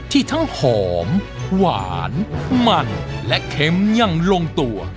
ที่ทั้งหอมหวานมันและเข็มอย่างลงตัว